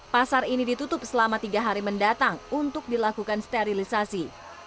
pasar ini ditutup selama tiga hari mendatang untuk dilakukan sterilisasi